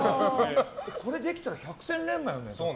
これできたら百戦錬磨よね？